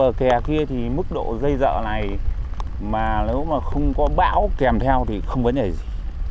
bờ kè kia thì mức độ dây dợ này mà lũ mà không có bão kèm theo thì không vấn đề gì